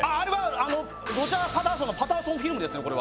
ロジャー・パターソンのパターソンフィルムですね。